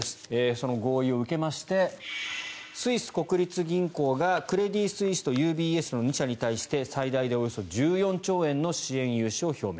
その合意を受けましてスイス国立銀行がクレディ・スイスとＵＢＳの２社に対して最大でおよそ１４兆円の支援融資を表明。